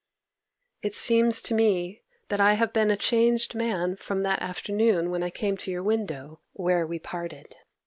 'It seems to me that I have been a changed man from that afternoon when I came to your window where we parted.